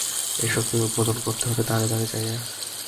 এই শক্তির উদ্বোধন করতে হবে দ্বারে দ্বারে যাইয়া।